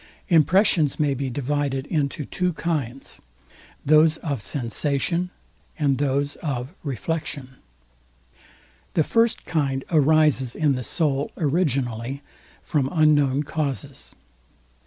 Impressions may be divided into two kinds, those Of SENSATION and those of REFLEXION. The first kind arises in the soul originally, from unknown causes.